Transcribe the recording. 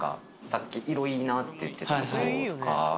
さっき「色いいな」って言ってたところとか。